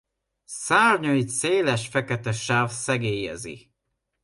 Szárnyait széles fekete sáv szegélyezi.